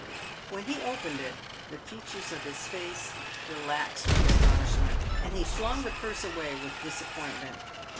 When he opened it, the features of his face relaxed with astonish ment, and he flung the purse away with disappointment.